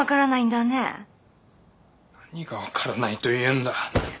何が分からないと言うんだ？